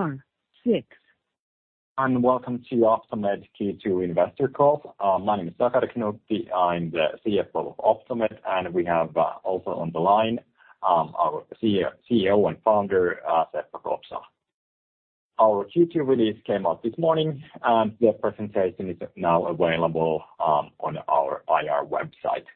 star six. Welcome to Optomed Q2 investor call. My name is Sakari Knuutti. I'm the CFO of Optomed, and we have also on the line, our CEO, CEO and founder, Seppo Kopsala. Our Q2 release came out this morning, and the presentation is now available on our IR website.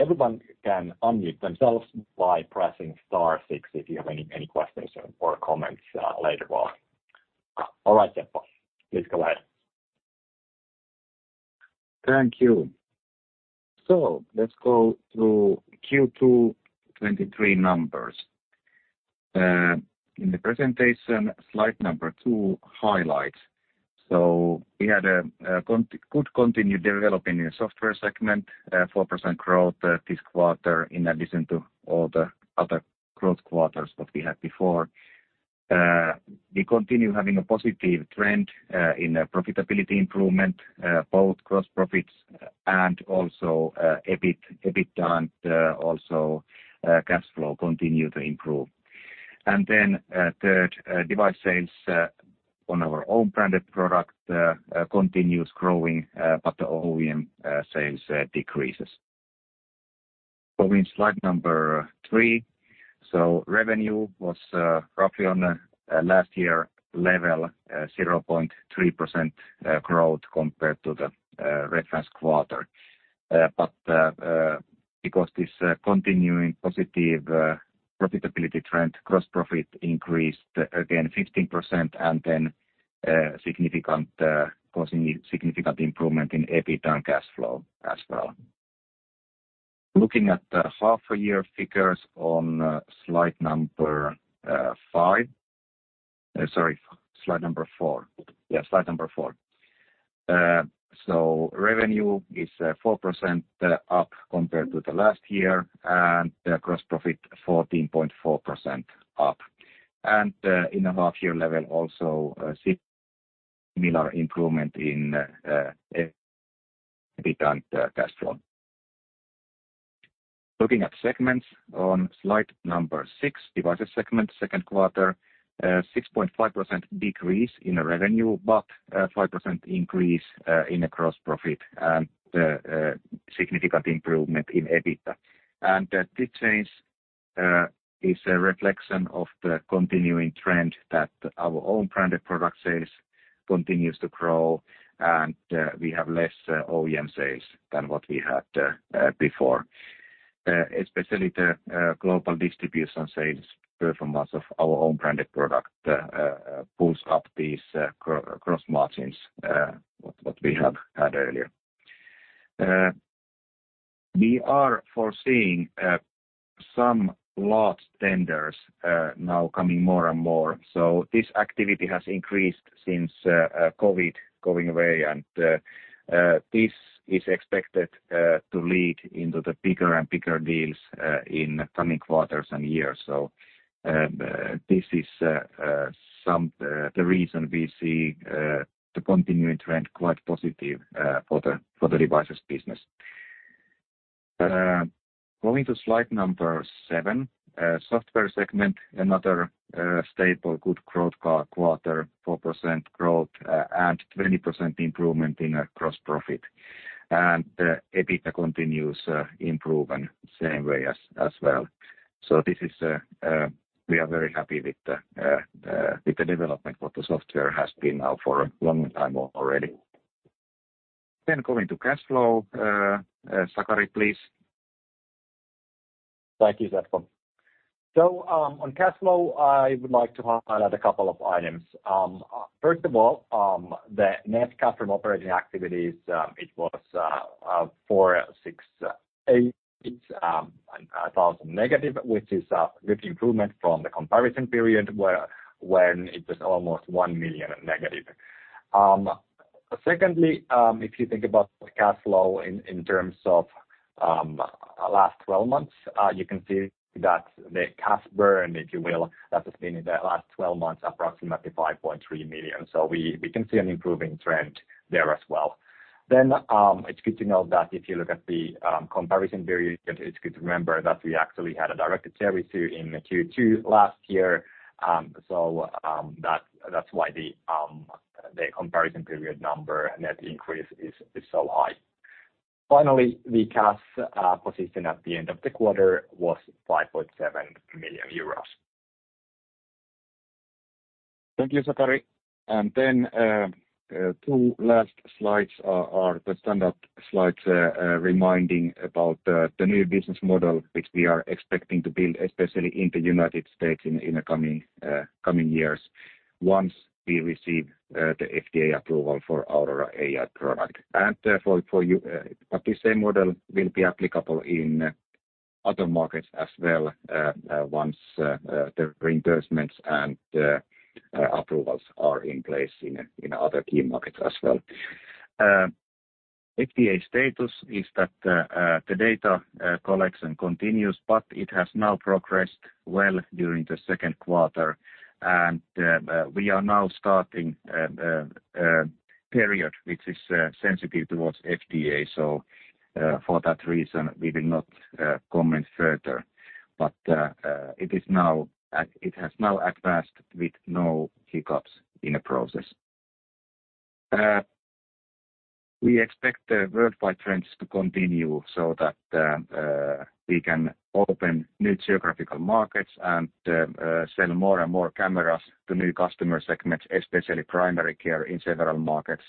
Everyone can unmute themselves by pressing star six if you have any, any questions or comments later on. All right, Seppo, please go ahead. Thank you. Let's go to Q2 2023 numbers. In the presentation, slide two, highlights. We had a good continued developing in software segment, 4% growth this quarter, in addition to all the other growth quarters that we had before. We continue having a positive trend in profitability improvement, both gross profits and also EBIT, EBITDA, and also cash flow continue to improve. Then, third, device sales on our own branded product continues growing, but the OEM sales decreases. Going slide three. Revenue was roughly on last year level, 0.3% growth compared to the reference quarter. Because this continuing positive profitability trend, gross profit increased again 15% and then causing significant improvement in EBITDA and cash flow as well. Looking at the half year figures on slide number five. Sorry, slide number four. Yeah, slide number four. So revenue is 4% up compared to the last year, and the gross profit 14.4% up. In a half year level, also similar improvement in EBITDA and cash flow. Looking at segments on slide number six, devices segment, second quarter, 6.5% decrease in revenue, but 5% increase in the gross profit and significant improvement in EBITDA. The change is a reflection of the continuing trend that our own branded product sales continues to grow, and we have less OEM sales than what we had before. Especially the global distribution sales performance of our own branded product pulls up these gross margins what, what we have had earlier. We are foreseeing some large tenders now coming more and more. This activity has increased since COVID going away, and this is expected to lead into the bigger and bigger deals in coming quarters and years. This is some the reason we see the continuing trend, quite positive, for the, for the devices business. um going to slide number seven, software segment, another stable, good growth quarter, 4% growth, and 20% improvement in our gross profit. The EBITDA continues improve in same way as well. This is, we are very happy with the development, what the software has been now for a long time already. Going to cash flow, Sakari, please. Thank you, Seppo. On cash flow, I would like to highlight a couple of items. First of all, the net cash from operating activities, it was 468, and -1,000, which is a good improvement from the comparison period, when it was almost EUR-1 million. Secondly, if you think about the cash flow in, in terms of, last twelve months, you can see that the cash burn, if you will, that has been in the last 12 months, approximately 5.3 million. We, we can see an improving trend there as well. It's good to know that if you look at the comparison period, it's good to remember that we actually had a directed share issue in Q2 last year. That, that's why the, the comparison period number net increase is, is so high. Finally, the cash position at the end of the quarter was 5.7 million euros. Thank you, Sakari. Then, two last slides are the standard slides reminding about the new business model, which we are expecting to build, especially in the United States in the coming years, once we receive the FDA approval for our AI product. The same model will be applicable in other markets as well, once the reimbursements and approvals are in place in other key markets as well. FDA status is that the data collection continues, but it has now progressed well during the second quarter, and we are now starting period, which is sensitive towards FDA. For that reason, we will not comment further. It has now advanced with no hiccups in the process. We expect the worldwide trends to continue so that we can open new geographical markets and sell more and more cameras to new customer segments, especially primary care in several markets,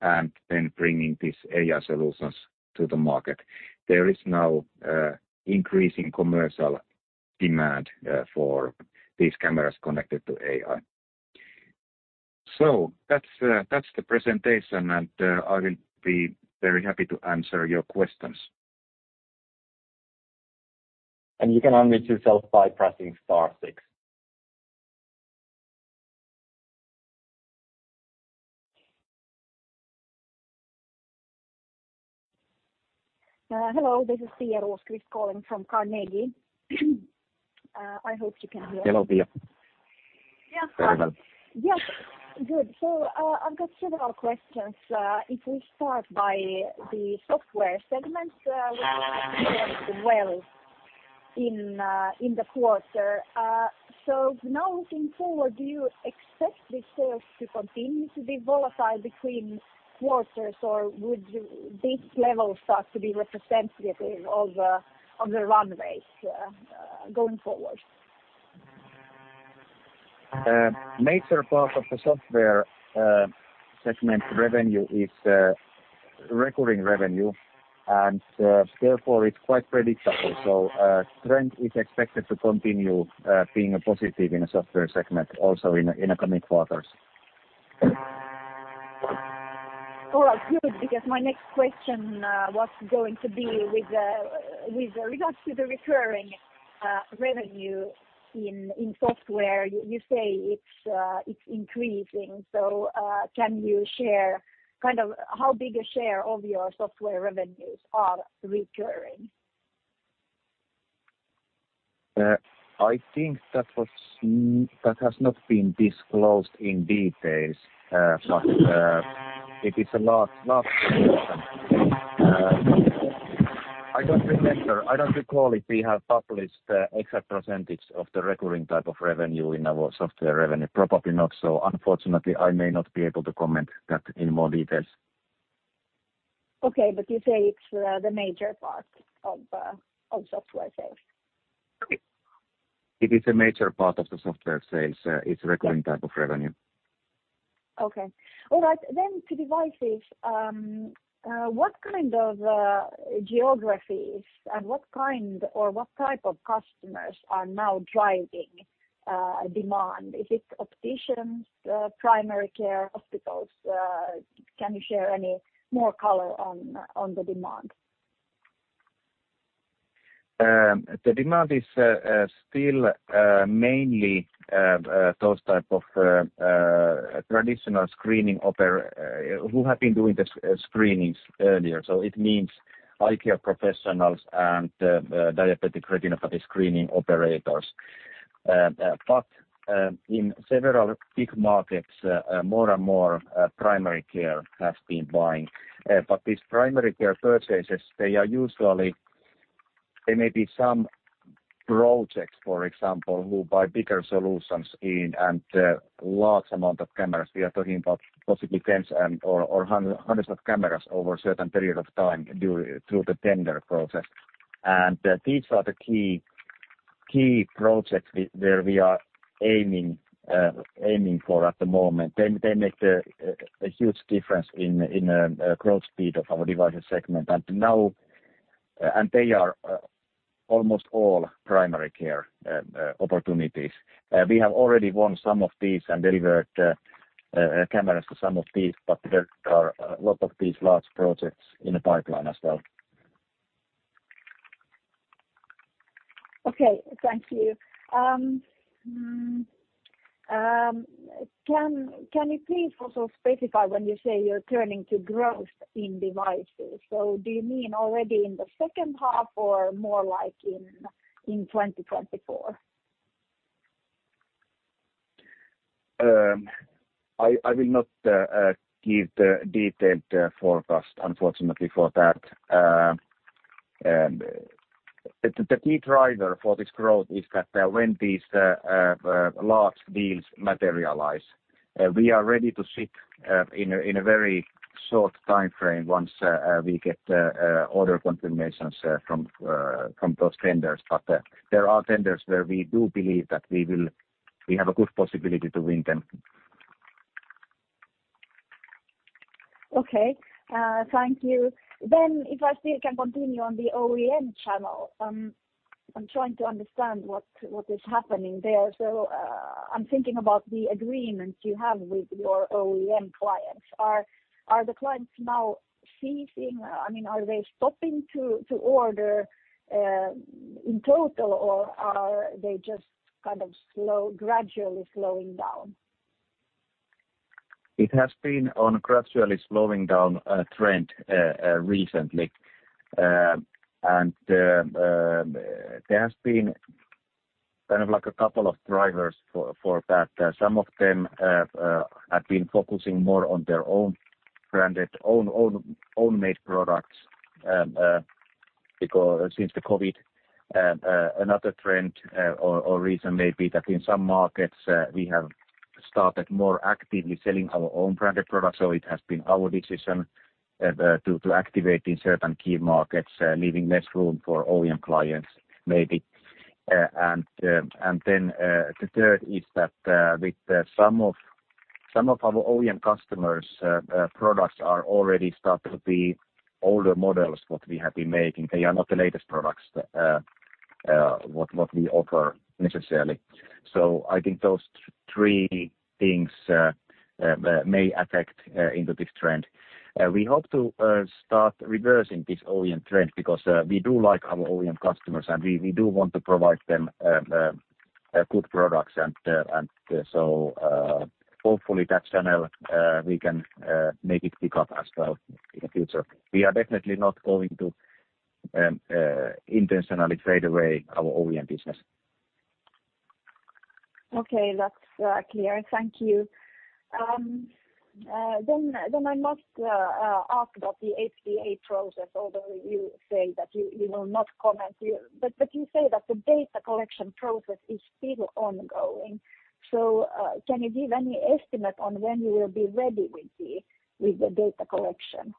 and then bringing these AI solutions to the market. There is now increasing commercial demand for these cameras connected to AI. That's the presentation. I will be very happy to answer your questions. You can unmute yourself by pressing star six. Hello, this is Pia Rosqvist calling from Carnegie. I hope you can hear me. Hello, Pia. Yeah. Very well. Yes. Good. I've got several questions. If we start by the software segment, well in, in the quarter. Now looking forward, do you expect the sales to continue to be volatile between quarters, or would you this level start to be representative of, of the runways, going forward? Major part of the software segment revenue is recurring revenue, and therefore, it's quite predictable. Trend is expected to continue being positive in the software segment, also in, in the coming quarters. All right. Good, because my next question was going to be with regards to the recurring revenue in software, you say it's increasing. Can you share kind of how big a share of your software revenues are recurring? I think that was, that has not been disclosed in details, but, it is a large, large portion. I don't remember. I don't recall if we have published the exact percentage of the recurring type of revenue in our software revenue. Probably not, so unfortunately, I may not be able to comment that in more details. Okay, you say it's the major part of software sales? It is a major part of the software sales. It's recurring- Yeah. type of revenue. Okay. All right, to devices, what kind of geographies and what kind or what type of customers are now driving demand? Is it opticians, primary care, hospitals? Can you share any more color on, on the demand? The demand is still mainly those type of traditional screening who have been doing the screenings earlier. So it means eye care professionals and diabetic retinopathy screening operators. In several big markets, more and more primary care has been buying. These primary care purchases, they are usually. There may be some projects, for example, who buy bigger solutions in and large amount of cameras. We are talking about possibly tens and/or hundreds of cameras over a certain period of time during, through the tender process. These are the key, key projects we, where we are aiming for at the moment. They make a huge difference in growth speed of our devices segment. They are almost all primary care opportunities. We have already won some of these and delivered cameras to some of these. There are a lot of these large projects in the pipeline as well. Okay. Thank you. Can you please also specify when you say you're turning to growth in devices? Do you mean already in the second half or more like in, in 2024? I, I will not give the detailed forecast, unfortunately, for that. The, the key driver for this growth is that when these large deals materialize, we are ready to ship in a very short time frame once we get the order confirmations from from those tenders. There are tenders where we do believe that we have a good possibility to win them. Okay, thank you. If I still can continue on the OEM channel, I'm trying to understand what, what is happening there. I'm thinking about the agreements you have with your OEM clients. Are the clients now ceasing, I mean, are they stopping to, to order in total, or are they just kind of slow, gradually slowing down? It has been on gradually slowing down trend recently. There has been kind of like a couple of drivers for that. Some of them have been focusing more on their own branded, own, own, own made products. Because since the COVID, another trend, or reason may be that in some markets, we have started more actively selling our own branded products. It has been our decision to activate in certain key markets, leaving less room for OEM clients, maybe. Then, the third is that with some of our OEM customers, products are already starting to be older models, what we have been making. They are not the latest products, what we offer necessarily. I think those three things may affect into this trend. We hope to start reversing this OEM trend because we do like our OEM customers, and we, we do want to provide them good products. Hopefully that channel we can make it pick up as well in the future. We are definitely not going to intentionally trade away our OEM business. Okay, that's clear. Thank you. Then I must ask about the FDA process, although you say that you, you will not comment here. But you say that the data collection process is still ongoing. Can you give any estimate on when you will be ready with the, with the data collection?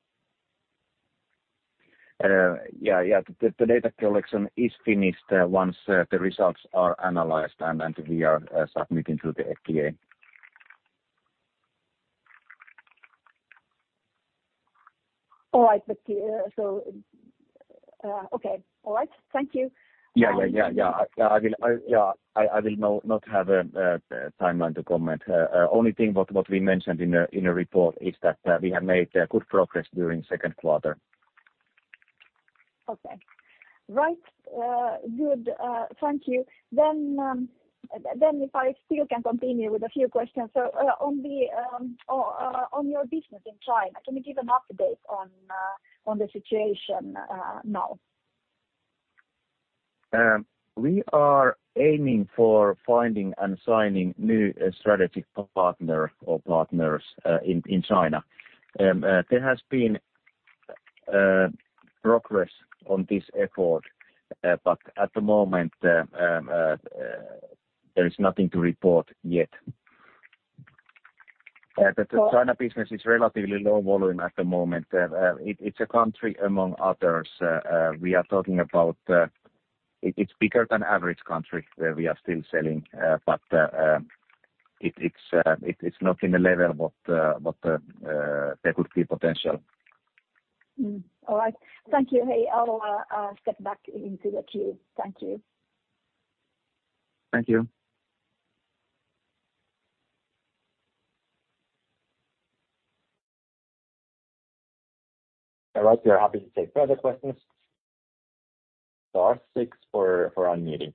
Yeah, yeah. The data collection is finished, once the results are analyzed and we are submitting to the FDA. All right. Okay. All right. Thank you. Yeah, yeah, yeah, yeah. I, I will, yeah, I, I will not, not have a timeline to comment. Only thing what, what we mentioned in the report is that we have made good progress during second quarter. Okay. Right. good. thank you. Then if I still can continue with a few questions. On the, on your business in China, can you give an update on the situation now? We are aiming for finding and signing new strategic partner or partners in China. There has been progress on this effort, but at the moment, there is nothing to report yet. The China business is relatively low volume at the moment. It, it's a country among others. We are talking about, it, it's bigger than average country, where we are still selling, but it, it's, it, it's not in the level what, what, there could be potential. Mm. All right. Thank you. Hey, I'll step back into the queue. Thank you. Thank you. All right. We are happy to take further questions. R6 for unmuting.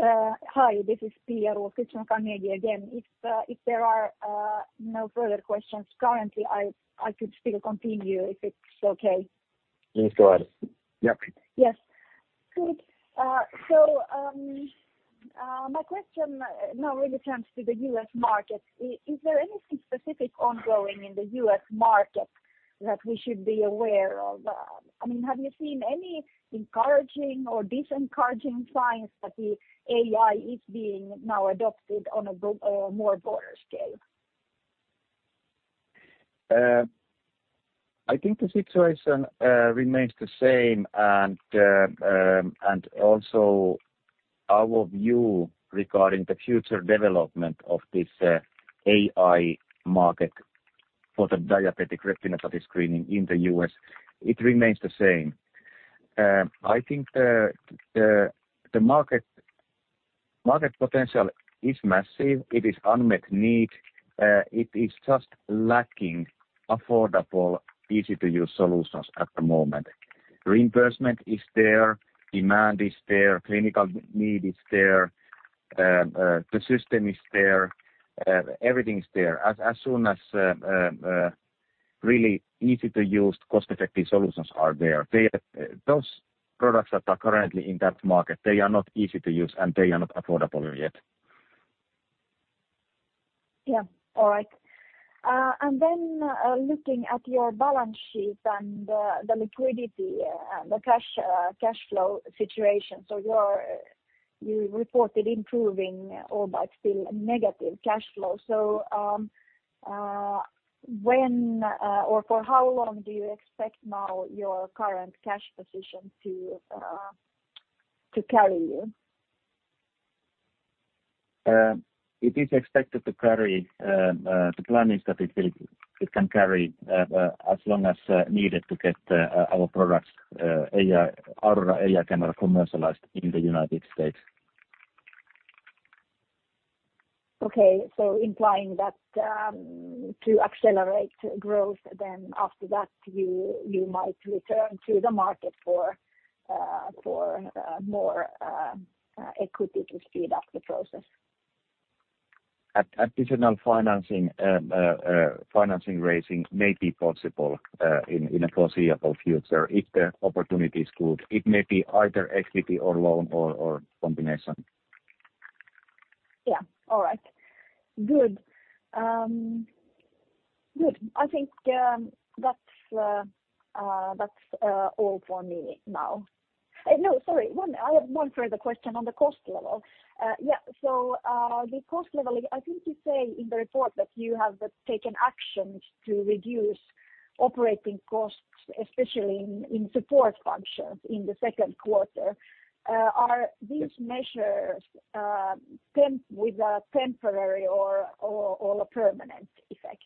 Hi, this is Pia Rosqvist-Heinsalmi from Carnegie again. If, if there are, no further questions currently, I, I could still continue, if it's okay. Please go ahead. Yep. Yes. Good. So, my question now really turns to the U.S. market. Is there anything specific ongoing in the U.S. market that we should be aware of? I mean, have you seen any encouraging or disencouraging signs that the AI is being now adopted on a more broader scale? I think the situation remains the same. And also our view regarding the future development of this AI market for the diabetic retinopathy screening in the U.S., it remains the same. I think the market, market potential is massive, it is unmet need, it is just lacking affordable, easy-to-use solutions at the moment. Reimbursement is there, demand is there, clinical need is there, the system is there, everything is there. As, as soon as really easy-to-use, cost-effective solutions are there. They, those products that are currently in that market, they are not easy to use, and they are not affordable yet. Yeah. All right. Then, looking at your balance sheet and, the liquidity, the cash, cash flow situation. You reported improving, although still negative cash flow. When, or for how long do you expect now your current cash position to, to carry you? It is expected to carry, the plan is that it can carry, as long as needed to get our products, AI, our AI camera commercialized in the United States. Okay, implying that, to accelerate growth, then after that, you, you might return to the market for, for, more, equity to speed up the process? Additional financing, financing raising may be possible in a foreseeable future if the opportunity is good. It may be either equity or loan or combination. Yeah. All right. Good. Good. I think that's all for me now. No, sorry, I have one further question on the cost level. Yeah, so the cost level, I think you say in the report that you have taken actions to reduce operating costs, especially in support functions in the second quarter. Are these measures with a temporary or a permanent effect?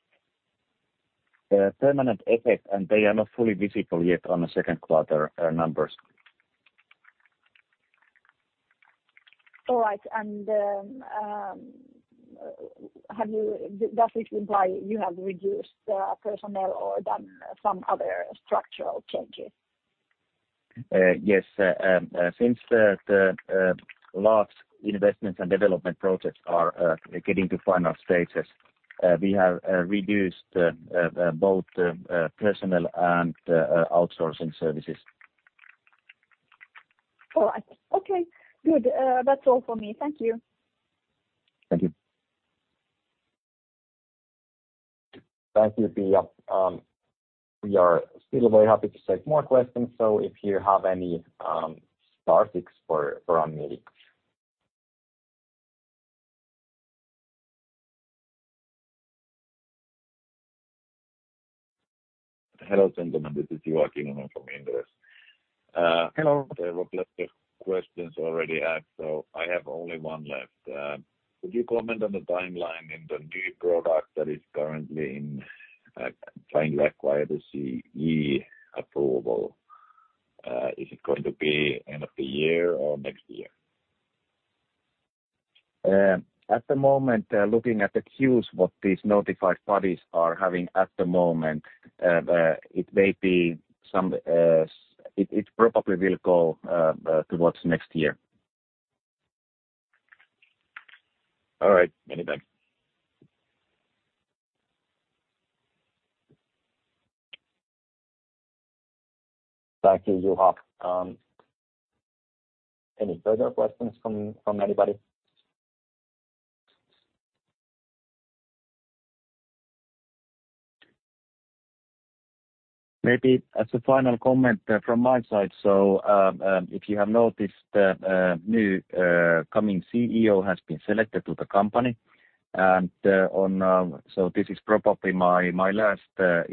Permanent effect, and they are not fully visible yet on the Q2 numbers. All right. Does it imply you have reduced personnel or done some other structural changes? Yes. Since the large investments and development projects are getting to final stages, we have reduced both personnel and outsourcing services. All right. Okay, good. That's all for me. Thank you. Thank you. Thank you, Pia. We are still very happy to take more questions, so if you have any, star six for on mute. Hello, gentlemen, this is Joakim from Inderes. Hello. There were lots of questions already asked, so I have only one left. Could you comment on the timeline in the new product that is currently in, trying to acquire the CE approval? Is it going to be end of the year or next year? At the moment, looking at the queues, what these notified bodies are having at the moment, it probably will go towards next year. All right. Many thanks. Thank you, Joakim. Any further questions from, from anybody? Maybe as a final comment from my side, if you have noticed, new coming CEO has been selected to the company, and on. This is probably my last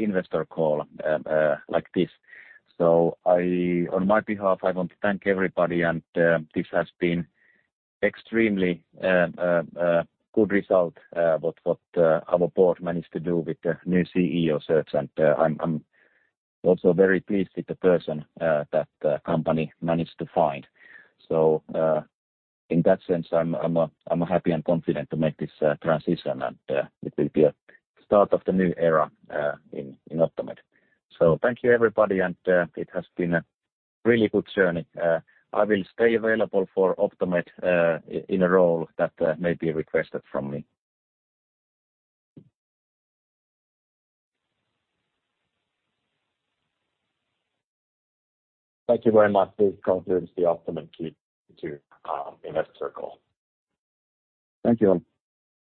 investor call like this. On my behalf, I want to thank everybody, and this has been extremely a good result what, what our board managed to do with the new CEO search. I'm, I'm also very pleased with the person that the company managed to find. In that sense, I'm, I'm, I'm happy and confident to make this transition, and it will be a start of the new era in, in Optomed. Thank you, everybody, and it has been a really good journey. I will stay available for Optomed, in a role that may be requested from me. Thank you very much. This concludes the Optomed Q2 investor call. Thank you.